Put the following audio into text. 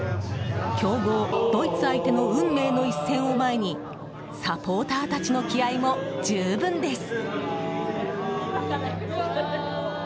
強豪ドイツ相手の運命の一戦を前にサポーターたちの気合も十分です。